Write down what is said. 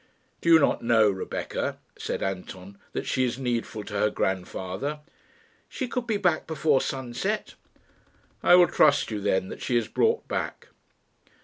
"Do you not know, Rebecca," said Anton, "that she is needful to her grandfather?" "She could be back before sunset." "I will trust to you, then, that she is brought back."